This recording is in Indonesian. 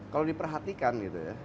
kalau diperhatikan gitu ya